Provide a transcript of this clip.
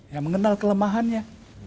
ya mengenal kelemahannya